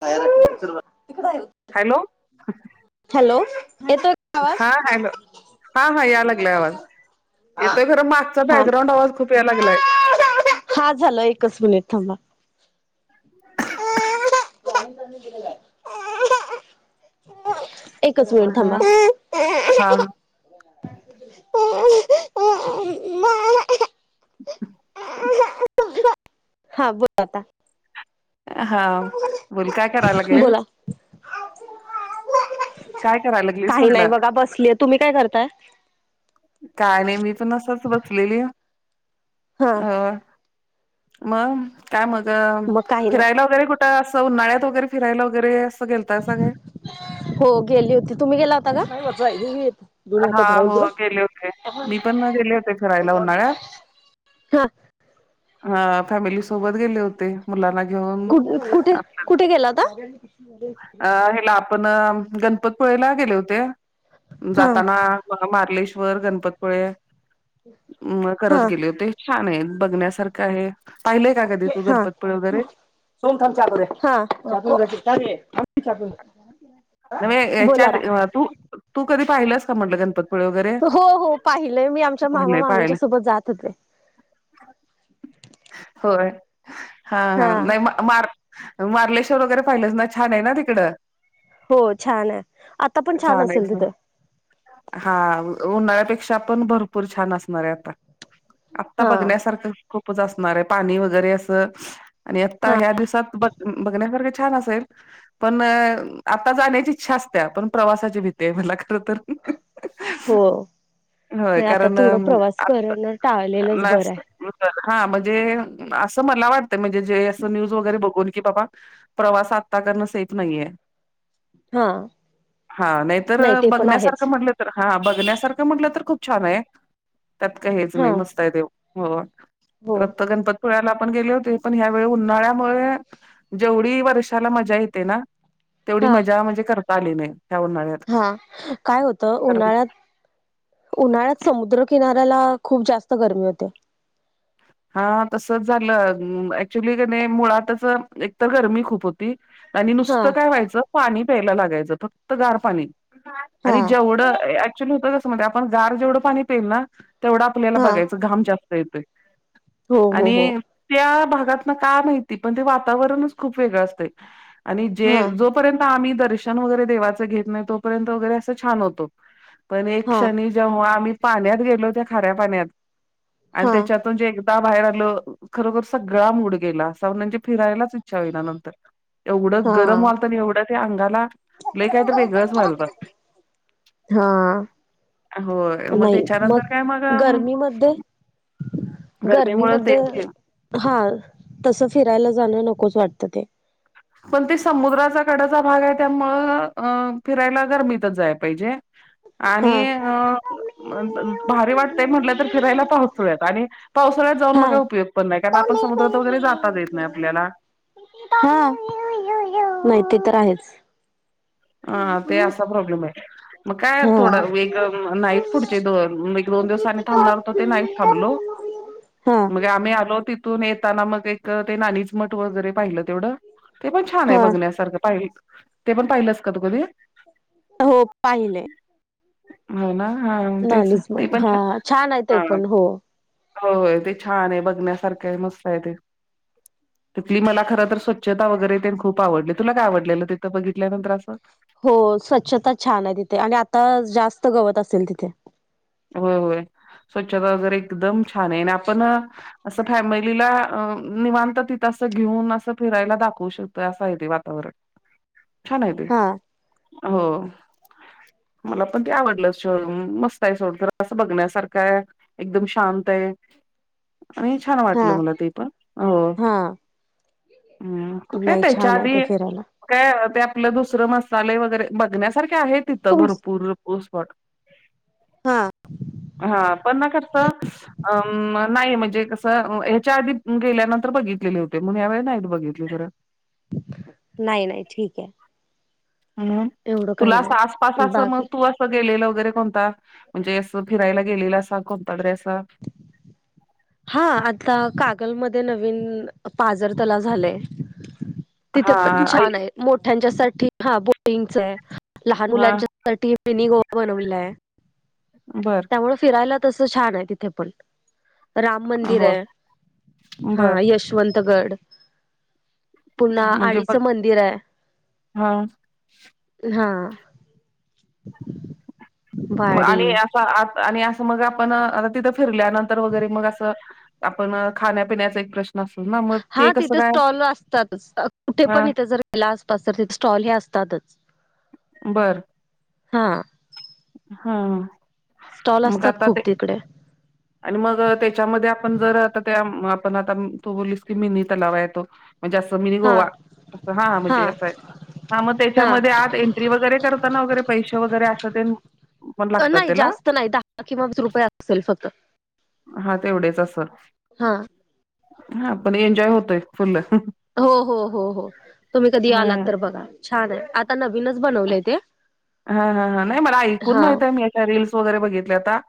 [unintelligible] Hello hello, येेतो का आवाज? हा हॅलो हा हा याय लागलाय आवाज. येतोय खरं मागचा हा बॅकग्राऊंड आवाज खूप याय लागलाय. हा झालं एकच मिनिट थांबा. [unintelligible] [unintelligible] एकच मिनिट थांबा. हा [unintelligible] [unintelligible] [inaudible] [unintelligible] हा बोल आता. हा, मुल काय करायला लागलेत? बोला काय करायला लागलीस काही नाही म्हटलं बघा बसलीय. तुम्ही काय करताय? काय नाय, मी पण असंच बसलेले. हा अ मग, काय मग मग काही नाही फिरायला वगैरे कु असं उन्हाळ्यात वगैरे फिरायला वगैरे असं गेलतासा काय? हो गेली होती. तुम्ही गेला होता का? [unintelligible] हा, धरायला हो तुला गेले होते. मी पण मग गेले होते फिरायला उन्हाळ्यात. हा [unintelligible] हा फॅमिली सोबत गेले होते. मुलाला घेऊन. कुठं, कुठे गेला होता? अ ह्याला आपण गणपतपुळेला गेले होते. हा जाताना मार्लेश्वर. गणपतपुळे म करत हा गेले होते. छान आहे. बघण्यासारखं आहे. पाहिलंय का कधी तू गणपतपूळे वगैरे? ओम थांब चा करुया. चा पिउन जा की. बोला ना [unintelligible] तू कधी पाहिलंयस का म्हटलं गणपत हो, हो पाहिलय मी आमच्या मामा, पाहिलंय मामींच्या पाहिलंय सोबत जात होते. होय. हा हा नाय मा मार् मार्लेश्वर वगैरे पाहिलंच ना? छान आहे ना तिकडं. हो छान हाय. आता पण छान असेल तिथं. हा उन्हाळ्यापेक्षा पण भरपूर छान असणार आहे आता. आत्ता हा बघण्यासारखं खूपच असणार हाय. पाणी वगैरे असं आणि आता हा ह्या दिवसात बघ बघण्यासारखं छान असेल पण आता जाण्याची इच्छा असत्या पण प्रवासाची भीती हाय मला खरं तर. हो, होय ना नाय आता कारण थोडं प्रवास करणं टाळलेलच बरं हाय. लास्ट हा म्हणजे असं मला वाटतं म्हणजे जे असं न्यूज वगैरे बघून की बाबा प्रवास आत्ता करणं सेफ नाहीयाय. हा हा. नाईतर नाही ते पण आहेच बघण्यासारखं म्हणटलं तर हा बघण्यासारखं म्हटलं तर खूप छान आहे. त्यात काय हेच हा नाही मस्त आहे देव हो. पण हो आत्ता गणपतपुळ्याला पण गेले होते, पण ह्यावेळी उन्हाळ्यामुळे जेवढी वर्षाला मजा येते ना, तेवढी हा मजा म्हणजे करता आली नाही ह्या उन्हाळ्यात. हा काय होतं कारण उन्हाळ्यात उन्हाळ्यात समुद्र किन [unintelligible] खूप जास्त गरमी होते. हा तसच झालं. ऍक्च्युली की नाही मुळातच एकतर गरमी खूप होत आणि हा नुसतं काय व्हायचं पाणी प्यायला लागायचं फक्त गार पाणी. हा आणि जेवढं ऍक्चुली होत कसं माहितीये आपण गार जेवढं पाणी पेईल ना, तेवढा आपल्याला हा बघायचं घाम जास्त येतोय. हो हो हो आणि त्या भागातलं काय माहिती पण ते वातावरणच खूप वेगळं असतंय. आणि जे हा जो जोपर्यंत आम्ही देवाचं दर्शन वगैरे देवाचं घेत नाही, तोपर्यंत वगैरे असं छान होतं. पण एक हा क्षणी जेव्हा आम्ही पाण्यात गेलो त्या खाऱ्या पाण्यात आणि हा त्याच्यातून जे बाहेर आलो खरोखर सगळा मूड गेला. असं म्हणजे फिरायलाच इच्छा होईना नंतर. एवढं हा गरम व्हालत आणि एवढं ते अंगाला लय कायतर वेगळच व्हालतं. हा होय. मग त्याच्यानंतर काय मग गरमीमुळे तेच गर्मीमध्ये की. हा तसं फिरायला जाणं नकोच वाटतं ते. पण ते समुद्राचा कडाचा भाग आहे त्यामुळं अ फिरायला गरमीतच जाया पाहिजे. [inaudible] आणि हा अ भारी वाटतेय म्हटलं तर फिरायला पावसुळ्यात आणि पावसाळ्यात जाऊन मग हा काय उपयोग पण नाही, कारण आपण समुद्रात वगैरे जाताच येत नाय आपल्याला. हा. नाही ते तर आहेच. हा ते असा प्रॉब्लेम हाय, मग काय थोडा हा वेग अं नाही पुढचे मग पुढचे एक दोन दिवस आणि थांबणार होतो ते नाही थांबलो. हा मग आम्ही आलो तिथून येताना मग एक ते नाणीच मठ वगैरे पाहिलं तेवढं. ते पण छान आहे हा बघण्यासारखं. पाहि ते पण पाहिलंस का तू कधी? हो पाहिलंय. हो ना हा तेच नानिज ते मठ पण हा छान आहे ते हा पण हो. होय ते छान आहे बघण्यासारखं आहे मस्त आहे ते. तिथली मला खरंतर स्वच्छता वगैरे तेन खूप आवडली. तुला काय आवडलेलं तिथं बघितल्यानंतर असं? हो स्वच्छता छान आहे तिथे आणि आता जास्त गवत असेल तिथे. होय होय स्वच्छता वगैरे एकदम छान आहे आणि आपण असं फॅमिलीला अ निवांत तिथं असं घेऊन असं फिरायला दाखवू शकतोय असं आहे ते वातावरण. [inaudible] छान आहे ते. हा हो मला पण ते आवडल शहर म्हणून मस् स्त आहे सोड खरं असं बघण्यासारखं हाय, ‌एकदम शांत हाय. आणि छान हा वाटलं मला ते पण हो. हा हम्म कुठे नाही तेच्या छान आहे ते आधी फिरायला काय ते आपलं दुसरं मसाले वगैरे बघण्यासारखे आहे तिथं तुम भरपूर स्पॉट. हा. हा पण ना खर्च अ नाही म्हणजे कसं ह्याच्या आधी गेल्यानंतर बघितलेले होते, मग ह्या वेळी नाहीत बघितले खरं. नाही नाही ठीक आहे. हम्म एवढं तुला काही असं आसपास नाही अस बाकी मग तू गेलेलं कोणता फिरायला गेलेलं असा कोणता ड्रेस हा आता कागलमध्ये नवीन पाझर तलाव झालंय. तिथे पण हां, आई छान आहे मोठ्यांच्या साठी हा बोटिंगचं हाय लहान हां, मुलांच्या साठी साठी मिनी गोवा बनवलाय. बरं त्यामुळे फिरायला तसं छान आहे तिथे पण. राम मंदिर हो, हाय हा बरं यशवंत गड. पुन्हा म्हणजे बघ आडीचं मंदिर हाय. हां, हा मग वाडी आणि असं आणि असं मग आपण आता तिथं फिरल्यानंतर वगैरे मग असं. आपण खाण्यापिण्याचा एक प्रश्न असतो ना, मग ते हा कसं तिथे काय? स्टॉल असतातच कुठे पण हां, इथे जर गेला आसपास तर तिथे स्टॉल असतातच. बर हा स्टॉल मग असतात आता ते खूप तिकडे. आणि मग त्याच्यामध्ये आपण जर आता त्या आपण आता तू बोललीस की मिनी तलाव हाय तो म्हणजे असं मिनी हा गोवा असं हा म्हणजे असं हाय. हा मग त्याच्यामध्ये हा आत एंट्री वगैरे करतना वगैरे पैसे वगैरे अस ते पण लागतात नाही त्याला जास्त [unintelligible] रुपये असेल फक्त हा तेवढेच असेल हा हा पण एन्जॉय होतोय फुल्ल. हो, हो हो हो तुम्ही कधी आलात तर बघा छान आहे आता नवीनच बनवलंय ते. हा हा हा नाही मला ऐकून हा माहितय मी याच्या रील्स वगैरे बघितल्या आता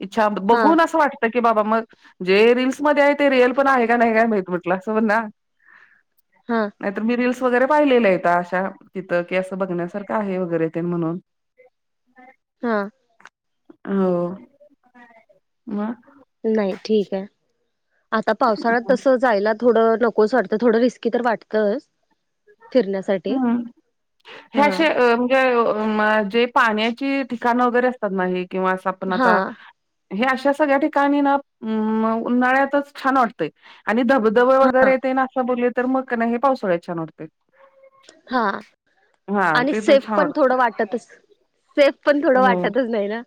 इच्छा हा बघून असं वाट की बाबा मग जे रीलस मध्ये आहे ते रिअल पण आहे का नाही काय माहित म्हटलं स ना हा नाही तर मी रील्स वगैरे पाहिलेलेेत अशा तिथं की असं बघण्यासारंख आहे वगैरे. ते म्हणून हा हो हा. नाही ठीक आहे आता पावसाळ्यात तस जायला थोडं नकोच वाटतं थोडं रिस्की तर वाटतंच. हम् हे हा अशे मजे पाण्याची ठिकाणं वगैरे असतात नाही किंवा आपण हा आता हे अश्या सगळ्या ठिकाणी ना उन्हाळ्यातच छान वाटतय आणि धब जवळ हा वगैरे येते ना असं बोलले तर मग क नाही हे पावसाळ्यात छान वाटतंय. हा हां, आणि ते तर सेफ छान पण वाटतं. थोडं वाटतच सेफ पण थोडं हो. वाटतच नाही ना.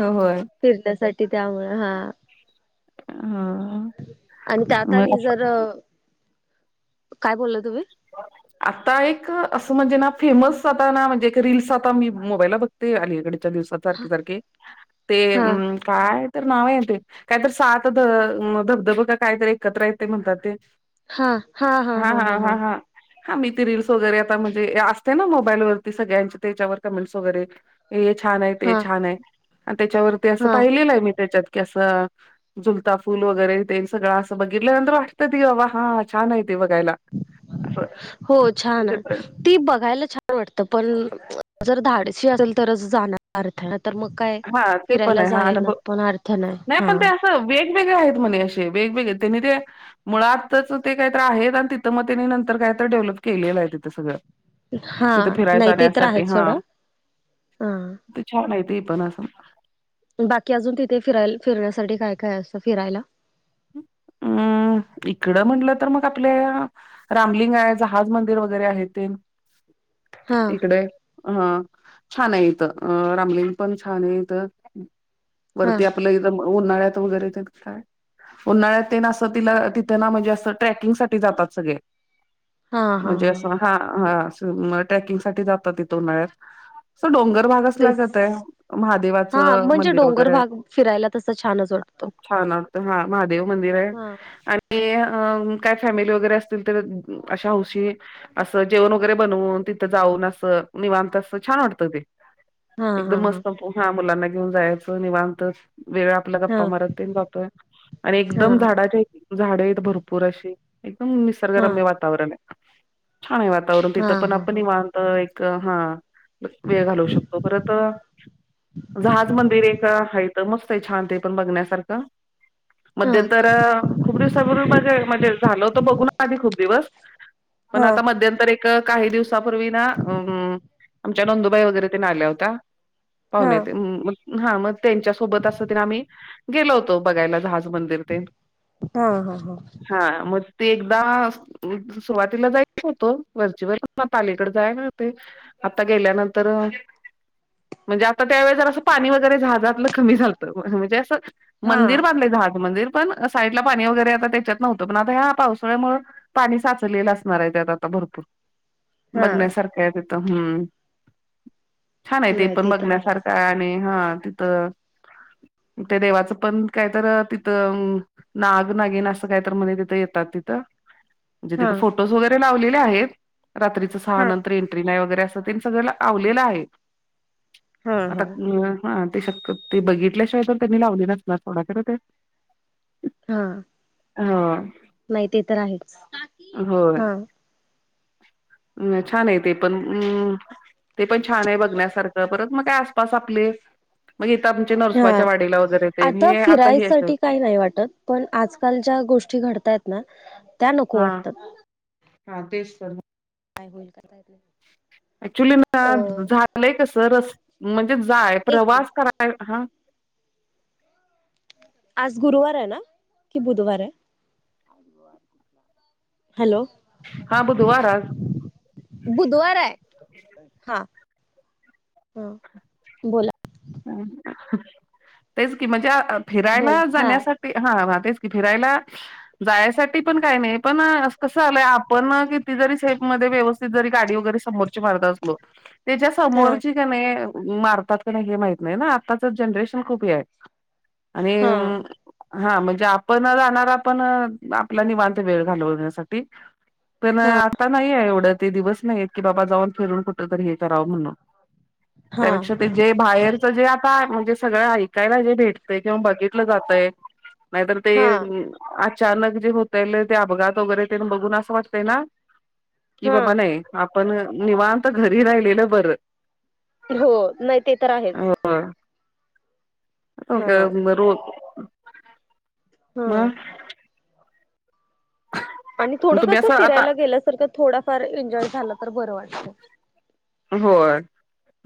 होय. फिरता साठी त्यामुळे हा हां. आणि त्यात मग आणि जर काय बोला तुम्ही? आता एक असं म्हणजे ना फेमस जाता ना म्हणजे एक रीलस आता मी मोबाईलला बघते अलीकडे त्या दिवस सारखे सारखे ते् हा काय तर नाव य ते काय तर सात ध धबधब का कायत एकत्र आहेत ते म्हणतात ते. हा हा हा हा हा हा. हां. हा मी ती रीलल्स वगैरे आता म्हणजे असते ना मोबाईलवरती सगळ्यांचे त्याच्यावर कमेंट्स वगैरे. हे छान आहे ते हा छान आहे आणि त्याच्यावरती असं हा पाहिलेलं आहे मी त्याच्यात की असं झुलता फूल वगैरे ते सगळं असं बघितल्यानंतर वाटतं ती बाबा हां छान आहे ते बघायला. असं हो छान म्हणजे आहे. ती बघायला छान वाटतं पण जर धाडशी असेल तरच जाणार अर्थ आहे ना तर मग काय हा ते पण फिरायला जाय ना पण अर्थ नाही हा. अ वेगवेगळे आहेत म्हणे असे वेगवेगळे त्यांनी ते मुळातच आताच ते काहीतरी आहेत आणि तिथं मग त्यानी नंतर काहीत डेव्हलप केलेलं आहे तिथं सगळं. हा तिथं फिराय नाही ते तर जाण्यासाठी आहेत हा सोडा हा छान आहेे ती पन बाकी अजून तिथे फिरायला फिरण्यासाठी काय काय असतं फिरायला हम् इकडं म्हटलं तर मग आपल्या रामलिंग आहे जहाज मंदिर वगैरे आहे ते हा इकडे ह छान आहेे इथू रामलींग पण छान येत हा वरती आप आपलं एकदम उन्हाळ्यात वगैरे येत काय उन्हाळ्या ते ना असं तिला तिथं ना म्हणजे असं ट्रेकिंग साठी जातात सगळे. हा हा म्हणजे असं हा हा असं मग ट्रेकिंग साठी जातात तिथं उन्हाळ्यात असं डोंगर भागच तेच लागत आहे हा महादेवाचं म्हणजे मंदिर डोंगर वगैरे भाग फिरायला तस छानच वाटतो छान ह महादेव मंदिर आहे हा आणि ते काय फॅमिली वगैरे असतील अशा हौशी असं जेवण वगैरे बनवून तिथं जाऊन असं निवांत अस छान वाटतं ते. हा हा एकदम हा मस्त पोहा मुलांना घेऊन जायचं निवांत वेळ आपला हा गप्पा मारत तेन जातोय. आणि एकदम हा झाडाच्या झाडे हेत भरपूर अशी एकदम हा निसर्गरम्य वात तावरण छान हाये वातावरण हा तिथ पण हा आपण हा निवांत अ एक हा वेळ घालवू शकतो परत जहाज मंदिर एक अ हायत मस्तय छान ते पण बघण्यासारखं. हा मध्यंतर खूप दिवसापूर्वी बघ म्हणजे झाल तर बघू ना आधी खूप दिवस पण हा आता मध्यंतर एक क काही दिवसापूर्वी ना हम अ आमच्या नंदुबाई वगैरे तेन आल्या होत्या. हा पाहुणे तेन मग हा मग त्यांच्यासोबत असं तेन आम्ही गेलो होतो बघायला जहाज. मंदिर तेन हा हा हा म ते एकदा सुरुवातीला जायच होतं वरचेवर आता अलीकडे जायल होते आता गेल्यानंतर अ म्हणजे आता त्या वेळे जरासं पाणी वगैरे जहाजहा जातलं कमी झालतं म्हणजे असं हा मंदिर बांधलय जहाज मंदिर पण साईडला पाणी वगैरे आता त्याच्यात नव्हतं पण आता ह्या पावसाळ्यामुळ पाणी साचलेलं असणार हाय त्यात आता भरपूर हा बघण्यासारखं य तिथं हम छान आहे ते नाही पण तर आहेच बघण्यासारखं आणि हा तिथं ते देवाचं पण काहीत तिथं नाग नागीन असं काहीत म्हणे तिथं येतात तिथं म्हणजे हा तिथं फोटोज वगैरे लावलेले आहेत रात्रीच सहा हा नंतर एंट्री नाही वगैरे अस. त्यांनी सगळ लावलेलं आहे हा आता हा अ हा ते शक्य ते बघितल्याशिवाय पण त्यांनी लावली ना ना थोडाक ते हा ह नाही ते तर आहेच हा. अम छान आहे ते पण अम् ते पण छान आहे बघण्यासारखं परत मग काय आसपास आपले मग इथ आमच्या हा नरसोबाच्या वाडीला वगैरे. तेन आता, हे हे अस फिरायसाठी काही नाही वाटत, पण आजकाल ज्या गोष्टी घडतायत ना, त्या नको हा वाटतात हा, तेच त म काय बोलता, काय मायत? अक्च्युली ना, झालंय कसं, रस म्हणजे जाय एक मिनिट प्रवास करा य, हा आज गुरुवार आहे ना, की बुधवार आहे? गुरुवार हॅलो हा, बुधवार आज बुधवार हाय, हा हं, बोला अं, हं, तेच की, मजा अ फिराय बोला ना हा जाण्यासाठ हा, म, तेच की, फिरायला जायासाठी पण काय नाही, पण कसं आलंय, आपण ना, किती जरी सेफमध्ये व्यवस्थित जरी, गाडी वगैरे समोरची मारत असलो त्याच्या हा समोरची कनाय, मारतात का नाही, हे माहित नाय ना, आत्ताच जनरेशन खूप हे हाय हा हा म्हणजे, आपण राणार, आपण आपला निवांत वेळ घालवण्यासाठी पण हा आता नाहीये, एवढं ते दिवस नाहीयत, की बाबा जाऊन फिरून कुठ तरी हे करावं, म्हणून हा त्यापेक्षा, ते जे बाहेर म्हजे आता, म्हणजे सगळं ऐकायला जे भेटतंय, किंवा बघितलं जातय नाहीतर ते हा अचानक जे होतय, लय ते, अपघात वगैरे तेन बघून, असं वाटतय ना कि बाबा हा नाई, आपण निवांत घरी, राहिलेलं बरं हो, नाई ते तर आहेच व्हय, हा अगं मी रोज हा म आणी थोडं तुम्ही कसं, असं आता फिरायला गेल्यासारखं, थोडाफार एन्जॉय झालं तर बरं वाटतं. होय,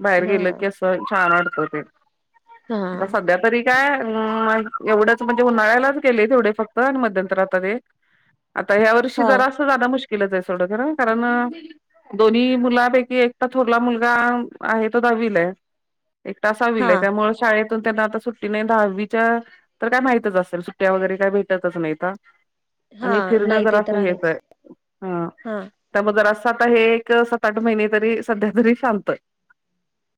बाहेर गेलं हा की, असं छान वाटतं ते, हा आता सध्या तरी काय माईत, एवढंच म्हणजे, उन्हाळ्यालाच गेले तेवडे फक्त, अन मद्यंतरा आता ते आता या वर्षी हा जरासं जानं मुश्किलच आहे सोड खरं, कारण दोन्ही मुलापैकी एक आता थोरला मुलगा आहे, तो दाहावीला हाय, एकटा हा साहावीला हाय, त्यामुळं शाळेत त त्यांना आता सुट्टी नई, दहावीच्या तर काय, माहितच असेल, सुट्ट्या वगैरे काय भेटतच नईता हा आणि फिरणं नाही ते तर जरासं हेेच आहेच हाय, हं हा त, म, जरास् आता, हे एक सात, आठ महिने तरी, सध्या तरी शांत हाय